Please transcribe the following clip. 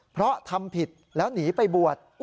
เพราะทำผิดแล้วหนีไปบวช